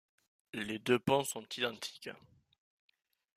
Les deux ponts sont identiques.